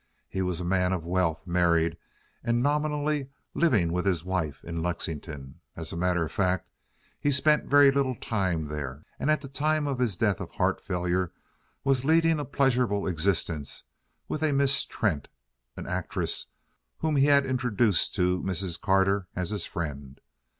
He was a man of wealth, married, and nominally living with his wife in Lexington. As a matter of fact, he spent very little time there, and at the time of his death of heart failure was leading a pleasurable existence with a Miss Trent, an actress, whom he had introduced to Mrs. Carter as his friend.